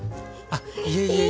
あっいえいえいえ。